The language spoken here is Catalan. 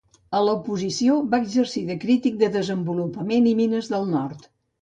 A l'oposició, va exercir de crític de Desenvolupament i Mines del Nord.